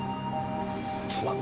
すまん。